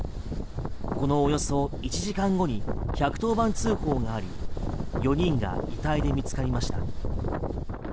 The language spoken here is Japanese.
このおよそ１時間後に１１０番通報があり４人が遺体で見つかりました。